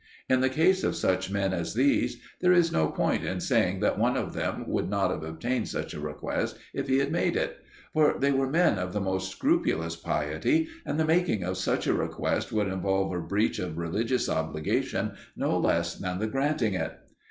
In the case of such men as these there is no point in saying that one of them would not have obtained such a request if he had made it; for they were men of the most scrupulous piety, and the making of such a request would involve a breach of religious obligation no less than the granting it.